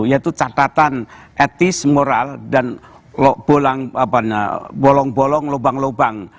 yaitu catatan etis moral dan bolong bolong lubang lubang